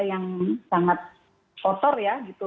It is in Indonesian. itu memang sangat kotor ya gitu